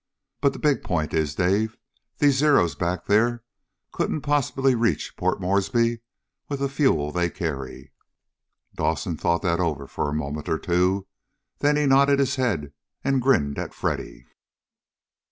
But the big point is, Dave, these Zeros back there couldn't possibly reach Port Moresby with the fuel they carry." Dawson thought that over for a moment or two. Then he nodded his head and grinned at Freddy.